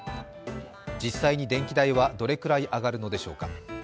実際に電気代は、どれぐらい上がるのでしょうか。